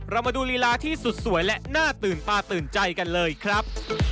มาดูลีลาที่สุดสวยและน่าตื่นตาตื่นใจกันเลยครับ